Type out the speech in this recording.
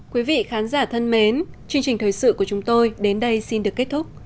quý vị khán giả thân mến chương trình thời sự của chúng tôi đến đây xin được kết thúc